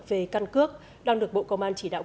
về căn cước đang được bộ công an chỉ đạo